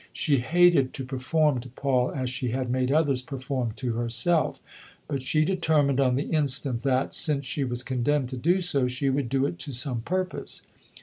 She hated to perform to Paul as she had made others perform to herself; but she determined on the instant that, since she was condemned to do so, she would do it to some purpose.